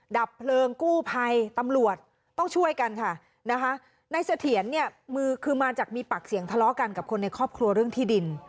ดับเพลิงกู้ภัยตำรวจต้องช่วยกันค่ะนะคะในเสถียรเนี่ยมือคือมาจากมีปากเสียงทะเลาะกันกับคนในครอบครัวเรื่องที่ดิน